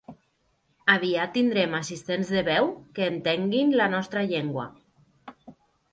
Aviat tindrem assistents de veu que entenguin la nostra llengua.